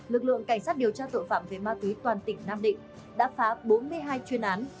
lực lượng cảnh sát điều tra tội phạm về ma túy toàn tỉnh nam định đã phá bốn mươi hai chuyên án